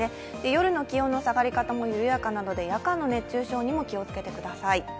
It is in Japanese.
夜の気温の下がり方もゆやるやかなので、夜間の熱中症にも気をつけてください。